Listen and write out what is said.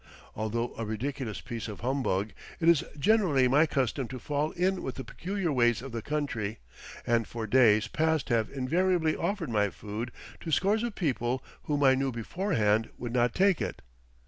Although a ridiculous piece of humbug, it is generally my custom to fall in with the peculiar ways of the country, and for days past have invariably offered my food to scores of people whom I knew beforehand would not take it.